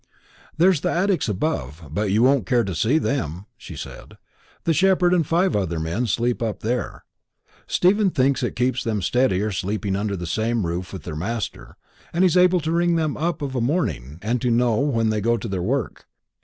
"There's the attics above; but you won't care to see them," she said. "The shepherd and five other men sleep up there. Stephen thinks it keeps them steadier sleeping under the same roof with their master; and he's able to ring them up of a morning, and to know when they go to their work.